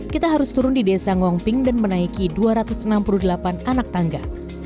kita harus turun di desa ngong ping dan menaiki dua ratus enam puluh delapan anak tangga